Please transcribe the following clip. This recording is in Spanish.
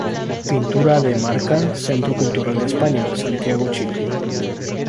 Pintura De-Marca, Centro Cultural de España, Santiago, Chile.